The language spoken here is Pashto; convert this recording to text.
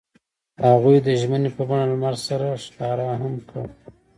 هغوی د ژمنې په بڼه لمر سره ښکاره هم کړه.